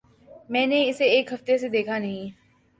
میں نے اسے ایک ہفتے سے دیکھا نہیں۔